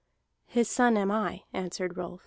"His son am I," answered Rolf.